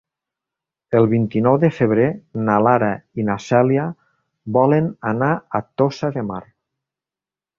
El vint-i-nou de febrer na Lara i na Cèlia volen anar a Tossa de Mar.